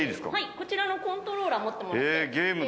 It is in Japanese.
こちらのコントローラーを持ってもらって。